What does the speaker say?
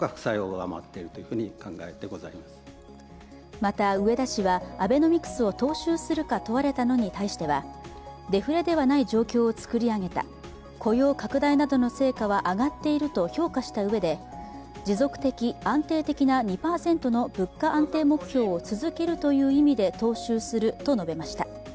また、植田氏はアベノミクスを踏襲するか問われたのに対してはデフレではない状況を作り上げた、雇用拡大などの成果は上がっていると評価したうえで、持続的安定的な２％の物価安定目標を続けるという意味で踏襲すると述べました。